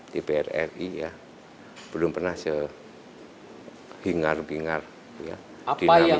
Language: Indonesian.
dpr ri ya belum pernah sehingar bingar ya dinamis